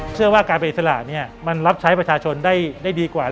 เชื่อว่าการเป็นอิสระมันรับใช้ประชาชนได้ดีกว่า